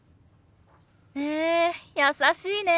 へえ優しいね。